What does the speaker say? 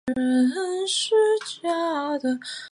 这是阿根廷成为世界杯史上的第六个获得冠军的国家。